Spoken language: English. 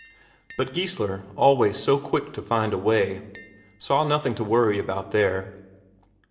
But Geissler, always so quick to find a way, saw nothing to worry about here.